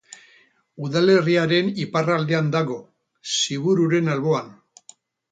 Udalerriaren iparraldean dago, Zibururen alboan.